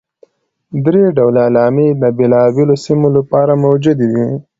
درې ډوله علامې د بېلابېلو سیمو لپاره موجودې دي.